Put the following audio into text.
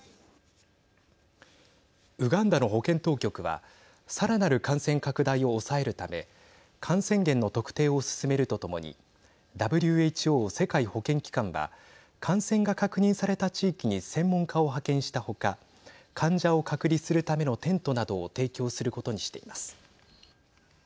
ウガンダの保健当局はさらなる感染拡大を抑えるため感染源の特定を進めるとともにＷＨＯ＝世界保健機関は感染が確認された地域に専門家を派遣した他患者を隔離するためのテントなどを提供することにしています。